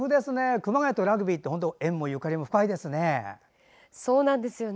熊谷とラグビーって縁もゆかりも深いですね。